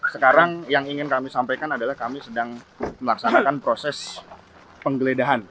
sekarang yang ingin kami sampaikan adalah kami sedang melaksanakan proses penggeledahan